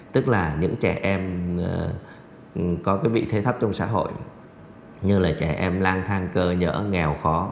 tức là những trẻ em có cái vị thế thấp trong xã hội như là trẻ em lang thang cơ nhở nghèo khó